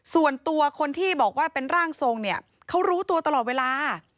ส่วนตัวคนที่บอกว่าเป็นร่างทรงเนี่ยเขารู้ตัวตลอดเวลา